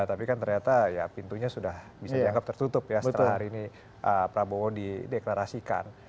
tapi kan ternyata ya pintunya sudah bisa dianggap tertutup ya setelah hari ini prabowo dideklarasikan